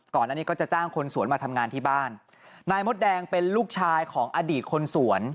ก่อนอันนี้ก็จะจ้างคนสวนมาทำงานที่บ้านนายมดแดงเป็นลูกชายของอดีตคนสวน